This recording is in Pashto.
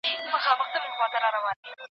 د پښتو غزل ساقي دی